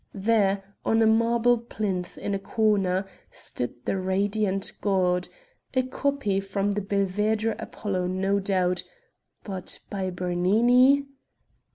There, on a marble plinth in a corner, stood the radiant god a copy from the Belvedere Apollo no doubt but by Bernini...?